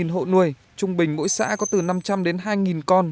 bốn hộ nuôi trung bình mỗi xã có từ năm trăm linh đến hai con